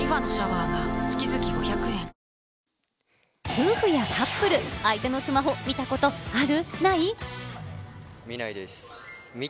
夫婦やカップル、相手のスマホを見たことある？